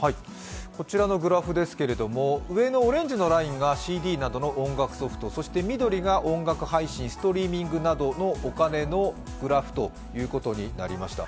こちらのグラフですけれども、上のオレンジ色が音楽ソフト緑が音楽配信、ストリーミングなどのお金のグラフとなりました。